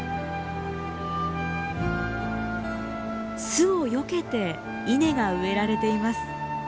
巣をよけて稲が植えられています。